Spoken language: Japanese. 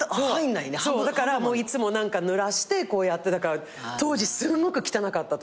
だからいつもぬらしてこうやってたから当時すごく汚かったと思います。